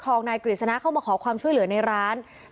ก็ประคองนายกรีศนะเข้ามาขอความช่วยเหลือในร้านที่ก้าวแบบนี้